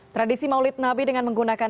tradisi maulid nabi dengan menggunakan